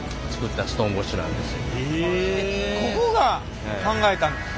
ここが考えたんですか？